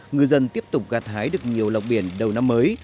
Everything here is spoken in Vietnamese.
ngư dân tiếp tục gạt hái được nhiều lọc biển đầu năm mới